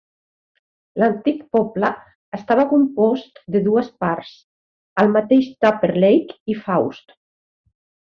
L'antic poble estava compost de dues parts, el mateix Tupper Lake i Faust.